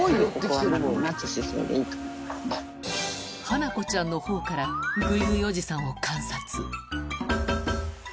ハナコちゃんのほうからグイグイおじさんを観察